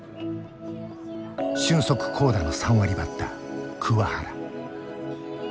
俊足好打の３割バッター桑原。